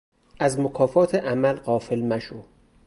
از مکافات عمل غافل مشو